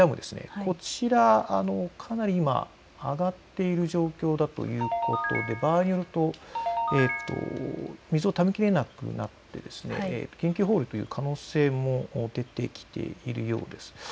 今こちらはかなり上がっている状況ということで、場合によると水をためきれなくなって、緊急放流という可能性も出てきているようです。